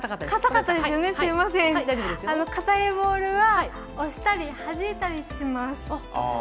硬いボールは押したりはじいたりします。